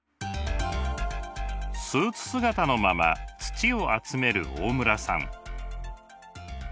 スーツ姿のまま土を集める大村さん。